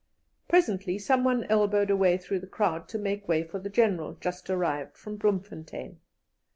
Presently someone elbowed a way through the crowd to make way for the General, just arrived from Bloemfontein.